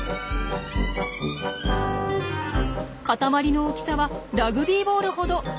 塊の大きさはラグビーボールほど。